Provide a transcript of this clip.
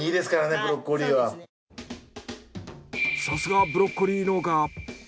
さすがブロッコリー農家。